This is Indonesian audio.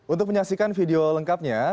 untuk menyaksikan video lengkapnya